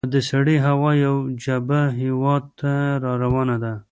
د سړې هوا یوه جبهه هیواد ته را روانه ده.